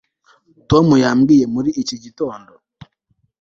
Tom yambwiye muri iki gitondo